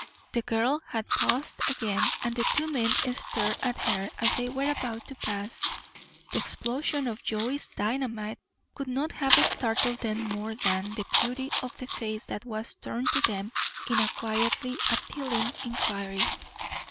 The girl had paused again, and the two men stared at her as they were about to pass. The explosion of Joe's dynamite could not have startled them more than the beauty of the face that was turned to them in a quietly appealing inquiry.